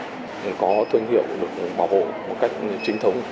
thì có thương hiệu được bảo hộ một cách chính thống